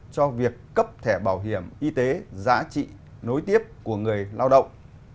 cho việc cấp thẻ bảo hiểm y tế giá trị nối tiếp của người lao động